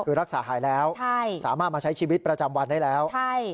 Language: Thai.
คือรักษาหายแล้วสามารถมาใช้ชีวิตประจำวันได้แล้ว